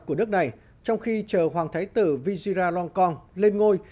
của nước này trong khi chờ hoàng thái tử vizira long kong lên ngôi